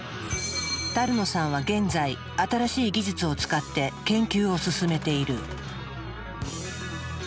野さんは現在新しい技術を使って研究を進めている。